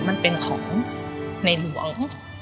มันเป็นของในหลวง